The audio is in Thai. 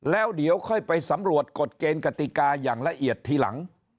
แล้วเดี๋ยวค่อยไปสำรวจกฎเกณฑ์กติกาอย่างละเอียดทีหลัง